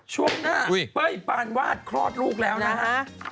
ช่วงหน้าเป้ยปานวาดคลอดลูกแล้วนะฮะ